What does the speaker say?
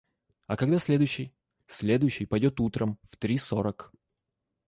– А когда следующий? – Следующий пойдет утром, в три сорок.